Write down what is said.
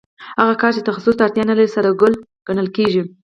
هغه کار چې تخصص ته اړتیا نلري ساده ګڼل کېږي